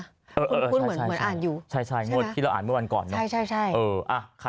คุณพูดเหมือนอ่านอยู่ใช่งวดที่เราอ่านเมื่อวันก่อนเนอะ